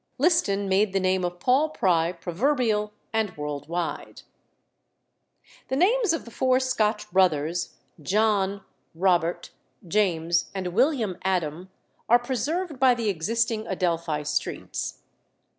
Liston made the name of Paul Pry proverbial and world wide. The names of the four Scotch brothers, John, Robert, James, and William Adam, are preserved by the existing Adelphi Streets.